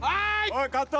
おいカット！